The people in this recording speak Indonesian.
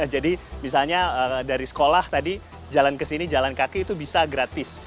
jadi misalnya dari sekolah tadi jalan ke sini jalan kaki itu bisa gratis